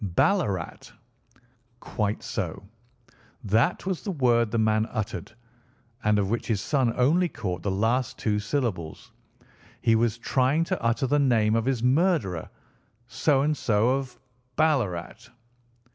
"BALLARAT." "Quite so. That was the word the man uttered, and of which his son only caught the last two syllables. He was trying to utter the name of his murderer. So and so, of Ballarat."